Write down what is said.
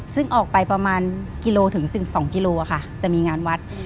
ซึ่งออกไปประมาณกิโลถึง๑๒กิโลค่ะจะมีงานวัด